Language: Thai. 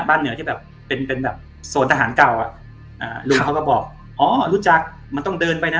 เหนือที่แบบเป็นเป็นแบบโซนทหารเก่าอ่ะอ่าลุงเขาก็บอกอ๋อรู้จักมันต้องเดินไปนะ